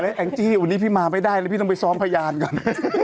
แองจี้วันนี้พี่มาไม่ได้แล้วพี่ต้องไปซ้อมพยานก่อน